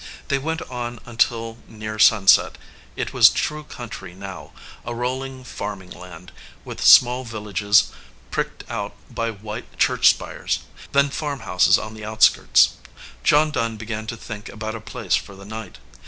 They went on until near sunset. It was true country now, a rolling farming land, with small villages pricked out by white church spires, then farm houses on the outskirts. John Dunn began to think about a place for the night.